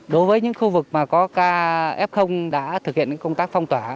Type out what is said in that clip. đối với những khu vực mà có ca f đã thực hiện công tác phong tỏa